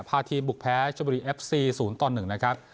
พาทีมบุกแพ้ชบุรีเอฟซีศูนย์ตอนหนึ่งนะครับ